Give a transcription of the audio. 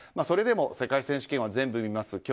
それでも世界選手権は全部見ます。